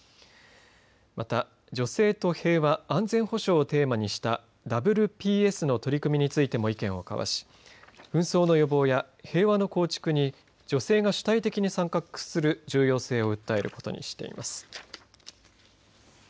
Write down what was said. また、女性と平和安全保障をテーマにしたＷＰＳの取り組みについても意見を交わし紛争の予防や平和の構築に女性が主体的に参画する重要性を訴えることにしています。